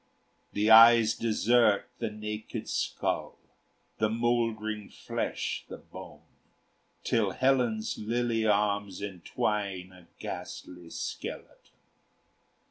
The eyes desert the naked skull, The mold'ring flesh the bone, Till Helen's lily arms entwine A ghastly skeleton.